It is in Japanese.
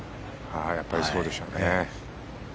やっぱりそうでしょうね。